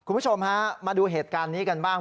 คุณผู้ชมฮะมาดูเหตุการณ์นี้กันบ้าง